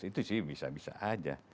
itu sih bisa bisa aja